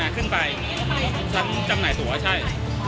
ขึ้นไปจำหน่ายตั๋วใช่